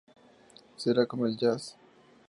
Será como el jazz.